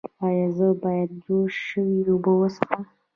ایا زه باید جوش شوې اوبه وڅښم؟